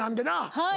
はい。